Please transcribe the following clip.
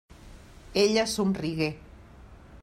Ella somrigué.